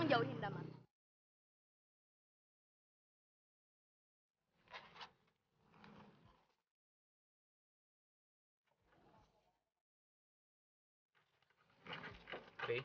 tidak gue gak mulai frank